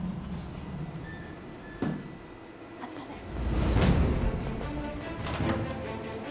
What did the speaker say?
あちらです。